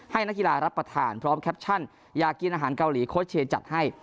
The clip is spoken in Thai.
นักกีฬารับประทานพร้อมแคปชั่นอยากกินอาหารเกาหลีโค้ชเชย์จัดให้